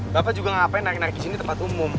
bapak juga nggak ngapain naik naik ke sini tempat umum